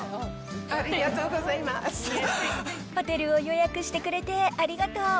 ホテルを予約してくれてありがとう。